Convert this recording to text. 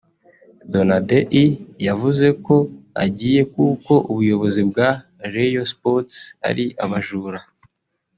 Donadei yavuze ko agiye kuko ubuyobozi bwa Rayon Sports ari abajura